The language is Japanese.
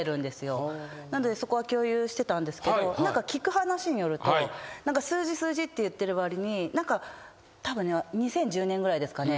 なのでそこは共有してたんですけど聞く話によると数字数字って言ってるわりにたぶん２０１０年ぐらいですかね。